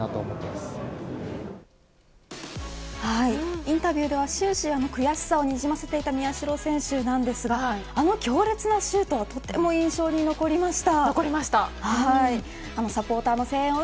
インタビューでは終始悔しさをにじませていた宮代選手ですがあの強烈なシュートはとても印象に残りました。